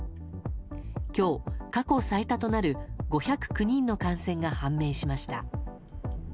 今日、過去最多となる５０９人の感染が判明しました。